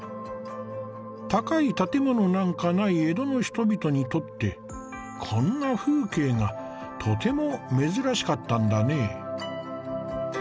高い建物なんかない江戸の人々にとってこんな風景がとても珍しかったんだね。